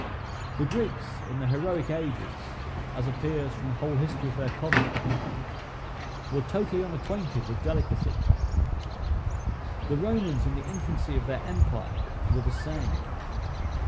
The Greeks, in the heroic ages, as appears from the whole history of their conduct, were totally unacquainted with delicacy. The Romans in the infancy of their empire, were the same.